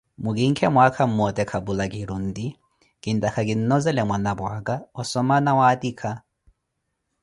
Mwikinke mwaaka mmote kapula kiri onti, kintaka kinlozele mwanapwa aka osoma na waatika.